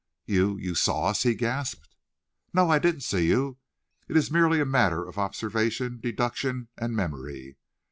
"You you saw us!" he gasped. "No, I didn't see you; it is merely a matter of observation, deduction, and memory.